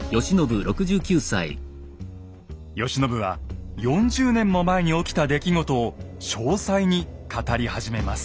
慶喜は４０年も前に起きた出来事を詳細に語り始めます。